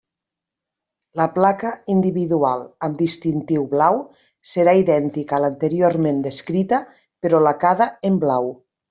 La placa individual amb distintiu blau serà idèntica a l'anteriorment descrita, però lacada en blau.